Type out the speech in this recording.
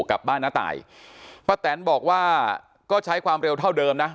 กลับบ้านน้าตายป้าแตนบอกว่าก็ใช้ความเร็วเท่าเดิมนะ